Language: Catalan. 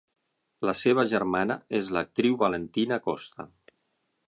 La seva germana és l'actriu Valentina Acosta.